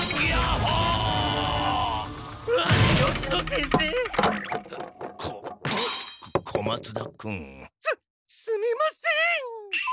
すっすみません！